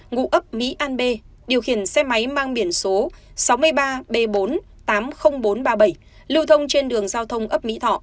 ngụ ấp mỹ an b điều khiển xe máy mang biển số sáu mươi ba b bốn tám mươi nghìn bốn trăm ba mươi bảy lưu thông trên đường giao thông ấp mỹ thọ